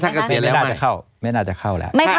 ถ้ากระเสียแล้วไม่น่าจะเข้าไม่น่าจะเข้าแล้วไม่เข้า